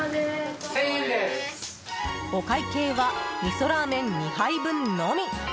お会計はみそラーメン２杯分のみ。